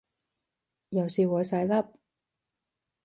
又笑我細粒